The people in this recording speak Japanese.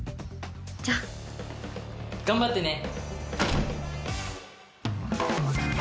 じゃあ。頑張ってね。